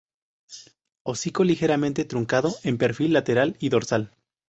Hocico ligeramente truncado en perfil lateral y dorsal.